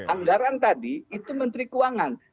anggaran tadi itu menteri keuangan